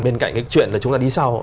bên cạnh cái chuyện là chúng ta đi sau